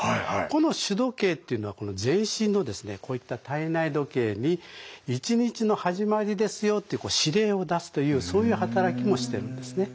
この主時計というのは全身のこういった体内時計に一日の始まりですよって司令を出すというそういう働きもしてるんですね。